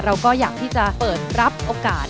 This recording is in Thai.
เราก็อยากที่จะเปิดรับโอกาส